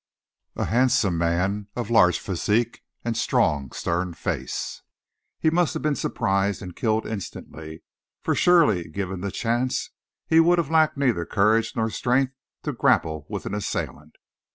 A handsome man, of large physique and strong, stern face, he must have been surprised, and killed instantly; for surely, given the chance, he would have lacked neither courage nor strength to grapple with an assailant.